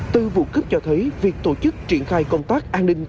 từ vụ cướp cho thấy việc tổ chức triển khai công tác an ninh